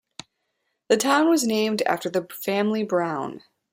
The town was named after the family Brown.